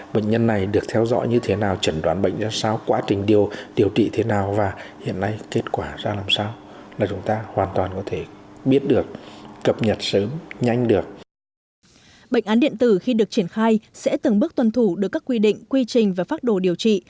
bệnh án điện tử khi được triển khai sẽ từng bước tuân thủ được các quy định quy trình và phác đồ điều trị